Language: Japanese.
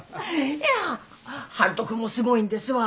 いや春人くんもすごいんですわ。